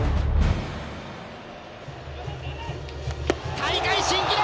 大会新記録！